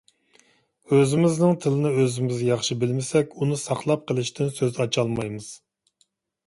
ئۆزىمىزنىڭ تىلىنى ئۆزىمىز ياخشى بىلمىسەك، ئۇنى ساقلاپ قېلىشتىن سۆز ئاچالمايمىز.